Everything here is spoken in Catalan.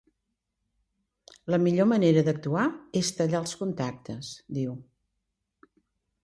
La millor manera d’actuar és tallar els contactes, diu.